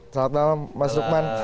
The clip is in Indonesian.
selamat malam mas nukman